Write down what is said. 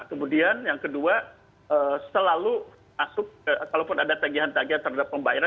kemudian yang kedua selalu masuk kalaupun ada tagihan tagihan terhadap pembayaran